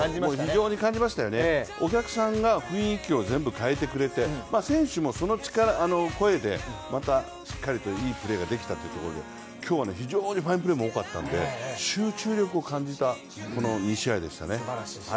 非常に感じましたよね、お客さんが雰囲気を全部変えてくれて、選手もその声でまたしっかりといいプレーができたというところで今日は非常にファインプレーも多かったんで集中力を感じたこの２試合でしたね。